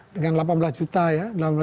dengan delapan belas juta ya